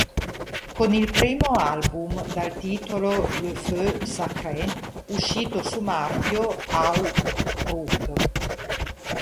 Con il primo album dal titolo "Le Feu Sacré", uscito su marchio Hau Ruck!